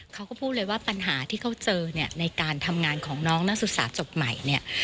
เขาก็พูดเลยว่าปัญหาที่เขาเจอเนี่ยในการทำงานของน้องนักศึกษาจบใหม่เนี่ย